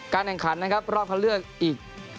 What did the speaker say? การแหน่งคันนะครับรอบทะเลือกอีก